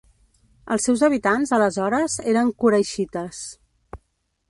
Els seus habitants aleshores eren quraixites.